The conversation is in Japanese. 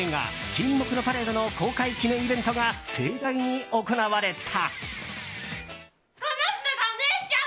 「沈黙のパレード」の公開記念イベントが盛大に行われた。